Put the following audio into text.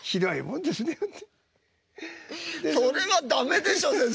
それは駄目でしょ先生。